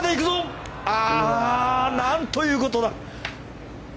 何ということだ。